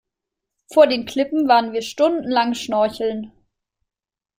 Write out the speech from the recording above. Vor den Klippen waren wir stundenlang schnorcheln.